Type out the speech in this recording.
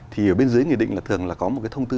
thì ở bên dưới nghị định là thường là có một cái thông tư